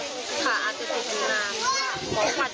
อาจจะติดอยู่นาน